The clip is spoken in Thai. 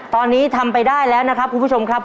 ตอนนี้ทำไปได้แล้วนะครับคุณผู้ชมครับ